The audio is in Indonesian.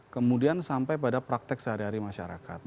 kemudian sampai pada praktek sehari hari masyarakat